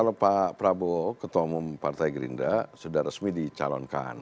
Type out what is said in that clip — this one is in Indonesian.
kalau pak prabowo ketua umum partai gerinda sudah resmi di calonkan